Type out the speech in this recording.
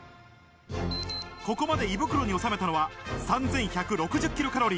ここまで胃袋に収めたのは３１６０ｋｃａｌ。